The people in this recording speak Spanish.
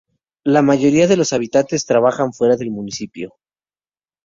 La mayoría de los habitantes trabajan fuera del municipio.